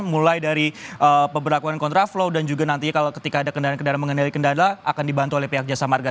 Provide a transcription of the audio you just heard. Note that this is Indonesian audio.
mulai dari pemberlakuan kontraflow dan juga nantinya kalau ketika ada kendaraan kendaraan mengendali kendala akan dibantu oleh pihak jasa marga